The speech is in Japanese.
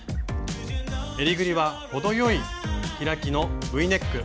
えりぐりは程よい開きのＶネック。